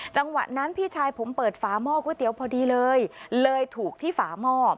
จังหวะนั้นพี่ชายผมเปิดฝาหม้อก๋วยเตี๋ยวพอดีเลยเลยถูกที่ฝาหม้อ